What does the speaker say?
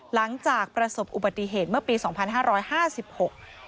หลังจากประสบอุบัติเหตุเมื่อปีสองพันห้าร้อยห้าสิบหก